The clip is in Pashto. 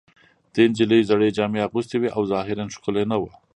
دې نجلۍ زړې جامې اغوستې وې او ظاهراً ښکلې نه وه